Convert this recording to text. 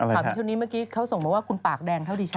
เท่านี้เมื่อกี้เขาส่งมาว่าคุณปากแดงเท่าดิฉัน